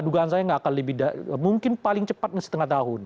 dugaan saya nggak akan lebih mungkin paling cepat setengah tahun